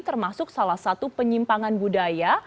termasuk salah satu penyimpangan budaya